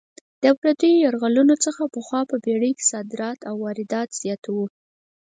د پردیو یرغلونو څخه پخوا په پېړۍ کې صادرات او واردات زیات وو.